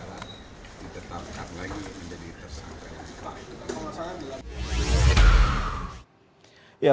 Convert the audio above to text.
salah satunya adalah ditetapkan lagi menjadi tersangka yang terakhir